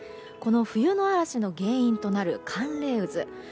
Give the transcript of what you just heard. この冬の嵐の原因となる寒冷渦。